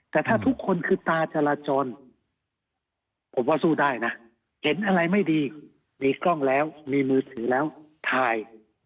แต่ถ้าทุกคนคือตาจราจรผมว่าสู้ได้นะเห็นอะไรไม่ดีมีกล้องแล้วมีมือถือแล้วถ่าย